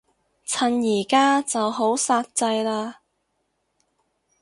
趁而家就好煞掣嘞